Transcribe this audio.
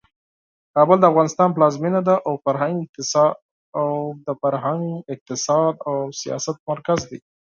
کابل د افغانستان پلازمینه ده او د فرهنګ، اقتصاد او سیاست مرکز دی.